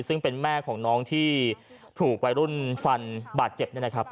ซึ่งเป็นแม่ของน้องที่ถูกวัยรุ่นฟันบาดเจ็บเนี่ยนะครับ